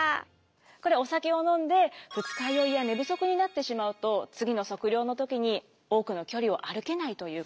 これお酒を飲んで二日酔いや寝不足になってしまうと次の測量の時に多くの距離を歩けないということ。